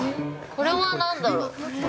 これはなんだろう？